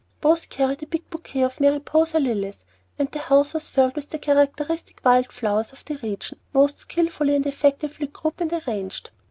Both carried a big bouquet of Mariposa lilies, and the house was filled with the characteristic wild flowers of the region most skilfully and effectively grouped and arranged.